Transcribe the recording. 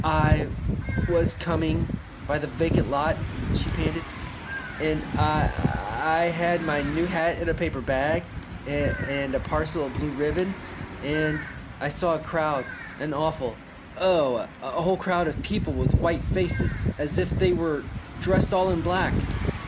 "I was coming by the vacant lot," she panted, "and I I had my new hat in a paper bag and a parcel of blue ribbon, and I saw a crowd, an awful oh! a whole crowd of people with white faces, as if they were dressed all in black."